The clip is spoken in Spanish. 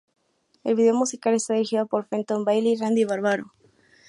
El video musical está dirigido por Fenton Bailey y Randy Barbato.